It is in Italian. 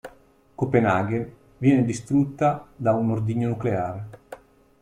Copenaghen viene distrutta da un ordigno nucleare.